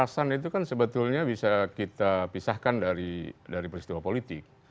sebetulnya bisa kita pisahkan dari peristiwa politik